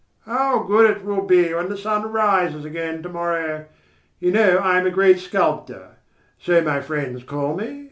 "How good it will be when the sun rises again to morrow... You know I am a great sculptor... so my friends call me.